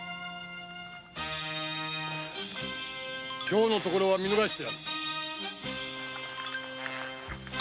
今日のところは見逃してやる。